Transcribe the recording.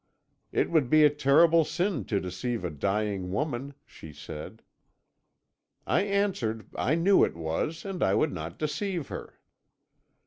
"'It would be a terrible sin to deceive a dying woman,' she said. "I answered I knew it was, and I would not deceive her.